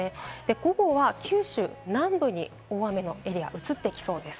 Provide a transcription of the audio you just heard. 午後は九州南部に大雨のエリアが移ってきそうです。